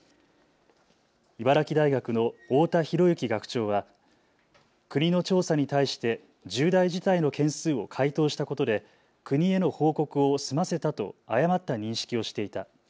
茨城大学の太田寛行学長は国の調査に対して重大事態の件数を回答したことで国への報告を済ませたと誤った認識をしていた。